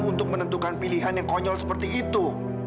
untuk menentukan pilihan yang konyol seperti itu